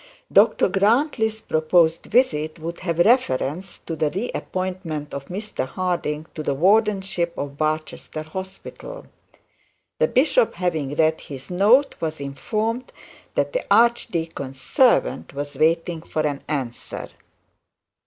Dr Grantly's proposed visit would have reference to the re appointment of Mr Harding to the wardenship of Hiram's hospital. The bishop having read this note was informed that the archdeacon's servant was waiting for an answer.